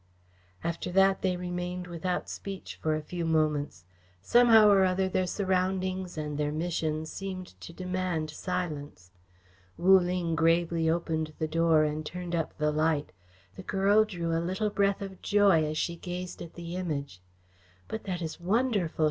After that they remained without speech for a few moments. Somehow or other their surroundings and their mission seemed to demand silence. Wu Ling gravely opened the door and turned up the light. The girl drew a little breath of joy as she gazed at the Image. "But that is wonderful!"